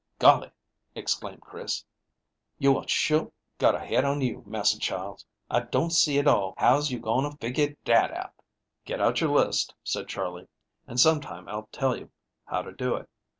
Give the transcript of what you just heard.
"Golly," exclaimed Chris, "youah sure got a head on you, Massa Charles. I don't see at all how's you going to figure dat out." "Get out your list," said Charley, "and some time I'll tell you how to do it.